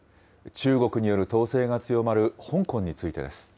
中国による統制が強まる香港についてです。